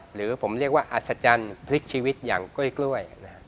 หรือผมเรียกว่าอัศจรรย์พลิกชีวิตอย่างกล้วย